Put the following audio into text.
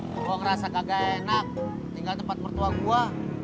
gue ngerasa kagak enak tinggal tempat mertua gue